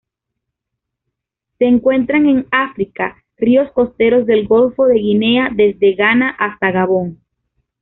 Se encuentran en África: ríos costeros del golfo de Guinea desde Ghana hasta Gabón.